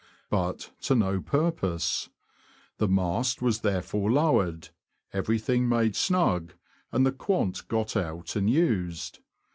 But to no purpose. The mast was therefore lowered, everything made snug, and the quant got out and used.